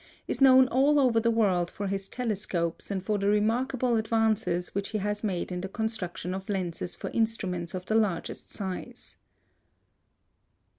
is known all over the world for his telescopes and for the remarkable advances which he has made in the construction of lenses for instruments of the largest size.